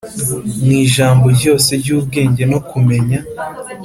Mu ijambo ryose ry’ubwenge no kumenya